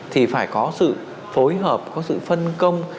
thì phải có sự phối hợp có sự phân công